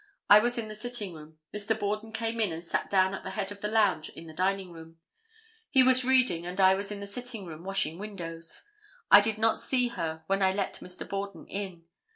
I was in the sitting room. Mr. Borden came in and sat down at the head of the lounge in the dining room. He was reading and I was in the sitting room washing windows. I did not see her when I let Mr. Borden in.